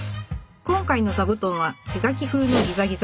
今回の「ザブトン」は手書き風のギザギザ。